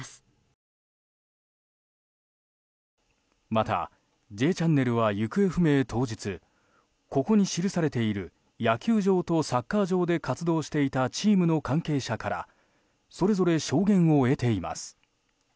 また、「Ｊチャンネル」は行方不明当日ここに記されている野球場とサッカー場で活動していたチームの関係者からそれぞれ証言を得ています。